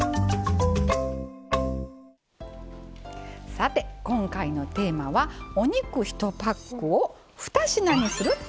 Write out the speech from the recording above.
さて、今回のテーマは「お肉１パックを２品」にする。